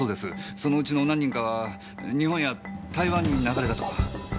そのうちの何人かは日本や台湾に流れたとか。